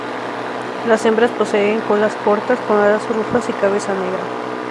Las hembras poseen colas cortas con alas rufas y cabeza negra.